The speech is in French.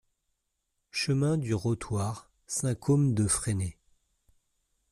Chemin du Rotoir, Saint-Côme-de-Fresné